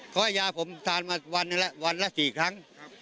เขาให้ยาผมทานมาวันละ๔ครั้ง